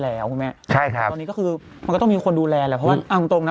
แล้วใช่ครับตอนนี้ก็คือมันก็ต้องมีคนดูแลเลยเพราะว่าอังตรงนั้น